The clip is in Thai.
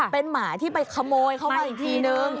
เป็นหมาที่ไปขโมยเข้ามาอีกทีนึง